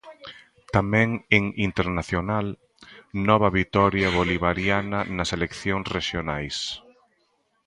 Tamén en Internacional, 'Nova vitoria bolivariana nas eleccións rexionais'.